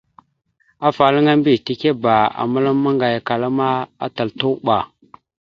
Afalaŋa mbiyez tikeba a məlam maŋgayakala ma, atal tuɓa.